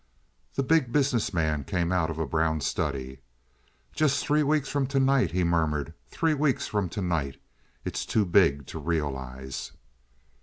The Big Business Man came out of a brown study. "Just three weeks from to night," he murmured, "three weeks from to night. It's too big to realize."